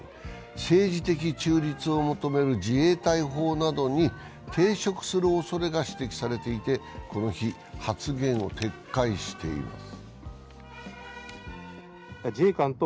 政治的中立を求める自衛隊法などに抵触するおそれが指摘されていてこの日、発言を撤回しています。